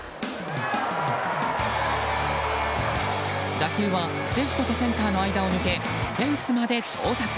打球はレフトとセンターの間を抜けフェンスまで到達。